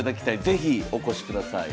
是非お越しください。